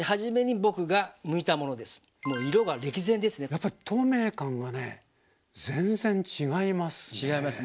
やっぱり透明感がね全然違いますね。